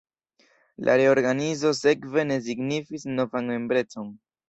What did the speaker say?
La reorganizo sekve ne signifis novan membrecon.